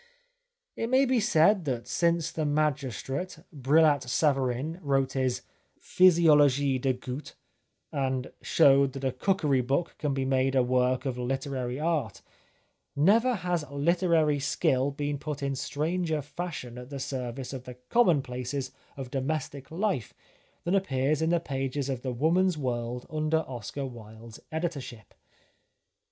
It may be said that since the magistrate, Brillat Savarin, wrote his "Physiologic du Gout," and showed that a cookery book can be made a work of literary art, never has literary skill been put in stranger fashion at the service of the commonplaces of domestic life than appears in the pages of The Woman's World under Oscar Wilde's editorship.